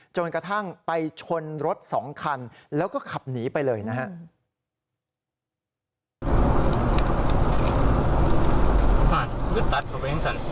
จนกระทั่งไปชนรถ๒คันแล้วก็ขับหนีไปเลยนะครับ